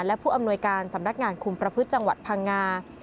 และผู้อำนวยการสำนักงานคุมประพฤติจังหวัดพังงา